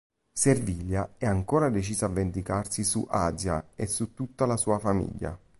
Servilia è ancora decisa a vendicarsi su Azia e su tutta la sua famiglia.